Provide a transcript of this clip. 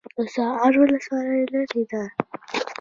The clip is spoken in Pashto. د ساغر ولسوالۍ لیرې ده